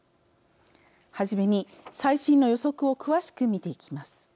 はじめに最新の予測を詳しく見ていきます。